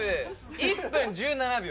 １分１７秒。